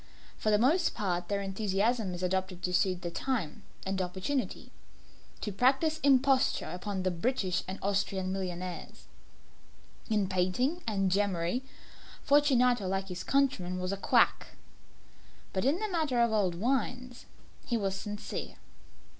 For the most part their enthusiasm is adopted to suit the time and opportunity to practise imposture upon the British and Austrian millionaires. In painting and gemmary, Fortunato, like his countrymen, was a quack but in the matter of old wines he was sincere.